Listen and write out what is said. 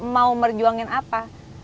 mau merjuangin apa